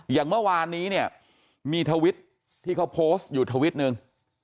อย่างเมื่อวานนี้เนี่ยมีทวิตที่เขาโพสต์อยู่ทวิตหนึ่ง